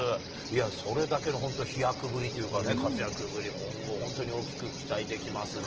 それだけの本当、飛躍ぶりというかね、活躍ぶり、今後、本当に大きく期待できますね。